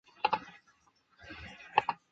切赫巴尼奥。